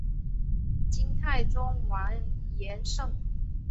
金太宗完颜晟。